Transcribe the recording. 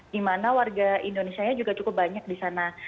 di mana warga indonesia juga cukup banyak di sana